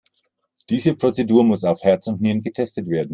Diese Prozedur muss auf Herz und Nieren getestet werden.